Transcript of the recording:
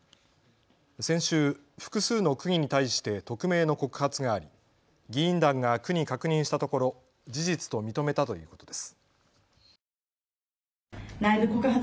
先週、複数の区議に対して匿名の告発があり、議員団が区に確認したところ事実と認めたということです。